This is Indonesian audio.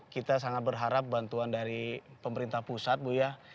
kita sangat berharap bantuan dari pemerintah pusat bu ya